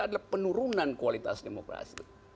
adalah penurunan kualitas demokrasi